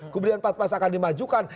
kemudian empat pas akan dimajukan